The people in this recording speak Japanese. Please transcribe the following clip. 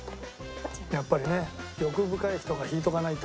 やっぱりね欲深い人が引いとかないと。